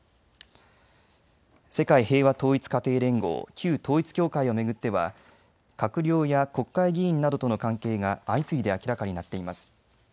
世界平和統一家庭連合、旧統一教会を巡っては閣僚や国会議員などとの関係が相次いで明らかになっています。